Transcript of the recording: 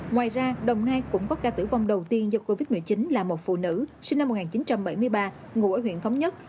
ngoài ra đồng nai cũng có ca tử vong đầu tiên do covid một mươi chín là một phụ nữ sinh năm một nghìn chín trăm bảy mươi ba ngụ ở huyện thống nhất